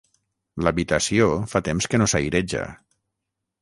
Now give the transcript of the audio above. L'habitació fa temps que no s'aireja